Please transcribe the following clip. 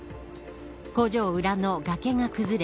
工場裏の崖が崩れ